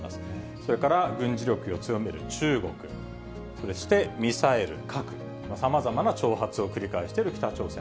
それから軍事力を強める中国、そしてミサイル・核、さまざまな挑発を繰り返している北朝鮮。